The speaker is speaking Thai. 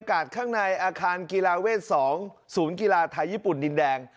ข้างในอาคารกีฬาเวท๒ศูนย์กีฬาไทยญี่ปุ่นดินแดง